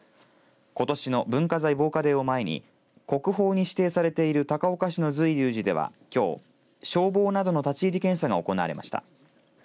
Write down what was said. ことしの文化財防火デーを前に国宝に指定されている高岡市の瑞龍寺ではきょう、消防などの立入検査が行われました。